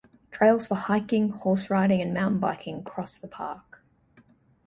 Trails for hiking, horse-riding, and mountain biking cross the park.